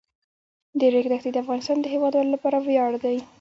د ریګ دښتې د افغانستان د هیوادوالو لپاره ویاړ دی.